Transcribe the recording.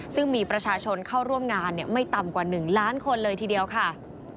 ซึ่งมีประชาชนเข้าร่วมงานไม่ต่ำกว่า๑ล้านคนเลยทีเดียวค่ะ